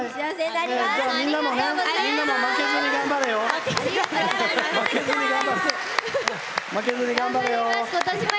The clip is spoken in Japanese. みんなも負けずに頑張れよ！